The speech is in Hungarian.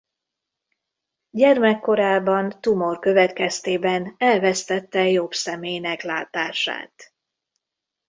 Gyermekkorában tumor következtében elvesztette jobb szemének látását.